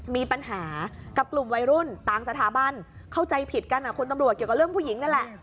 มีปัญหากับกลุ่มวัยรุ่นต่างสถาบันเข้าใจผิดกันคุณตำรวจเกี่ยวกับเรื่องผู้หญิงนั่นแหละ